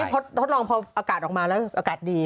พอทดลองพออากาศออกมาแล้วอากาศดี